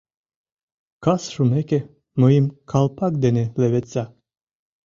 — Кас шумеке, мыйым калпак дене леведса.